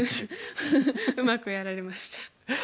うまくやられました。